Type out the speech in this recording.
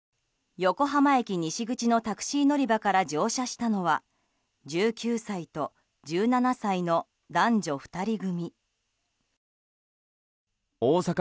横浜駅西口のタクシー乗り場から乗車したのは１９歳と１７歳の男女２人組。